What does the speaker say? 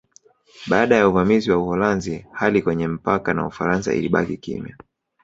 Baada ya uvamizi wa Uholanzi hali kwenye mpaka na Ufaransa ilibaki kimya